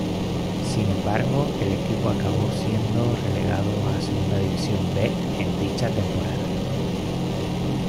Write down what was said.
Sin embargo, el equipo acabó siendo relegado a Segunda División B en dicha temporada.